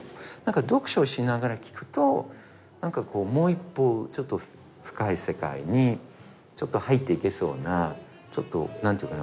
読書をしながら聴くと何かこうもう一歩ちょっと深い世界にちょっと入っていけそうなちょっと何ていうかな